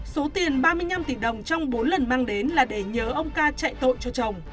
số tiền ba mươi năm tỷ đồng trong bốn lần mang đến là để nhớ ông ca chạy tội cho chồng